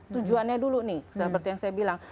tujuannya dulu nih seperti yang saya bilang